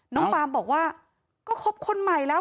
น้องปามบอกว่าก็คบคนใหม่แล้ว